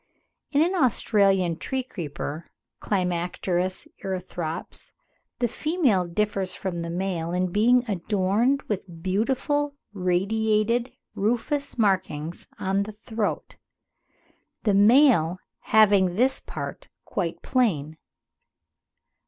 In an Australian tree creeper (Climacteris erythrops) the female differs from the male in "being adorned with beautiful, radiated, rufous markings on the throat, the male having this part quite plain."